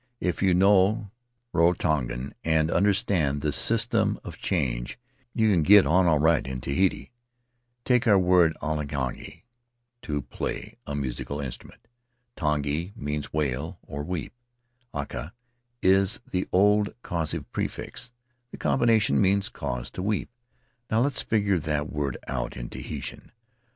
If you know Rarotongan and understand the system of change, you can get on all right in Tahiti. Take our word akatangi — to play a musical instrument. Tangi means 'wail' or 'weep'; aha is the old causative prefix; the combination means 'cause to weep.' Now let's figure that word out in Tahitian.